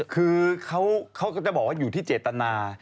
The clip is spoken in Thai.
คือเขาก็จะบอกว่าอยู่ที่เจตนา